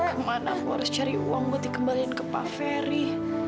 kemana aku harus cari uang buat dikembaliin ke pak ferry